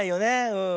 うん。